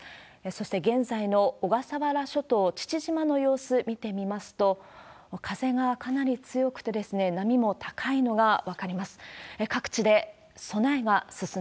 そして現在の小笠原諸島父島の様子、見てみますと、風がかなり強くて、波も高いのが分かります。